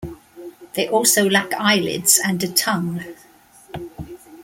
They also lack eyelids and a tongue.